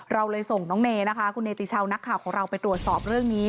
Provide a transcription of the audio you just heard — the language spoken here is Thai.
เราเลยส่งน้องเนนะคะคุณเนติชาวนักข่าวของเราไปตรวจสอบเรื่องนี้